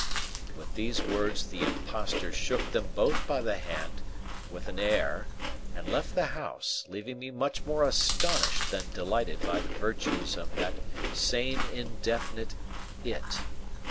With those words the Impostor shook them both by the hand, with an air, and left the house; leaving me much more astonished than delighted by the virtues of that same indefinite "it."